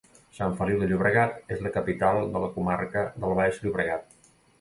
Sant Feliu de Llobregat és la capital de la comarca del Baix Llobregat